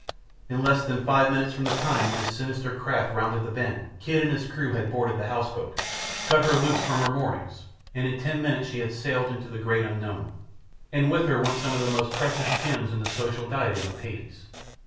In less than five minutes from the time when his sinister craft rounded the bend Kidd and his crew had boarded the house boat, cut her loose from her moorings, and in ten minutes she had sailed away into the great unknown, and with her went some of the most precious gems in the social diadem of Hades.